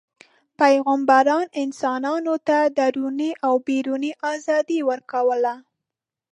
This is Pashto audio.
پیغمبران انسانانو ته دروني او بیروني ازادي ورکوله.